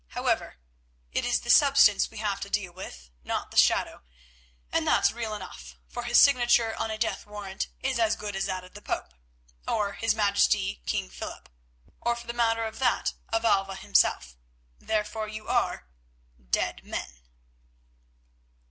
However, it is the substance we have to deal with, not the shadow, and that's real enough, for his signature on a death warrant is as good as that of the Pope, or his gracious Majesty King Philip, or, for the matter of that, of Alva himself. Therefore, you are—dead men."